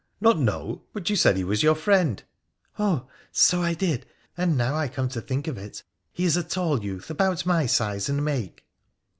' Not know ! Why, but you said he was your friend !'' Oh ! so I did. And, now I come to think of it, he is a tall youth — about my size and make.'